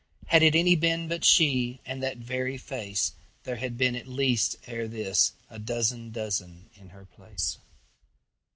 Had it any been but she, And that very face, There had been at least ere thisA dozen dozen in her place.